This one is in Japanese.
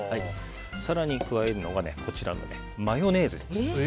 更に加えるのがマヨネーズです。